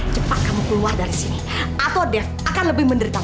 cepat kamu keluar dari sini atau dev akan lebih menderita